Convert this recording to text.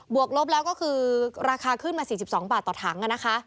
วกลบแล้วก็คือราคาขึ้นมา๔๒บาทต่อถังนะคะ